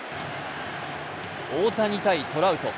大谷対トラウト。